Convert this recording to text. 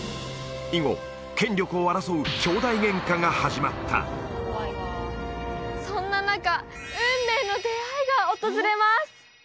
以後権力を争うきょうだいゲンカが始まったそんな中運命の出会いが訪れます